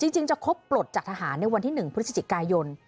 จริงจะครบปลดจากทหารในวันที่๑พฤศจิกายน